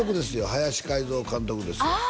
林海象監督ですあ